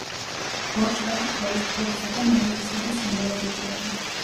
ბორჯღალი თავისუფლებისა და მარადისობის სიმბოლოდ ითვლება.